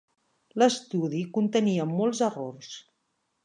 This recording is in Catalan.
L'estudi contenia molts errors.